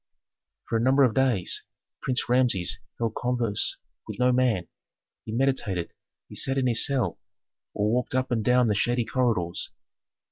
For a number of days Prince Rameses held converse with no man, he meditated; he sat in his cell, or walked up and down the shady corridors.